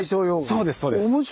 そうです。